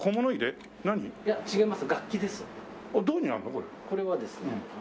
これはですね。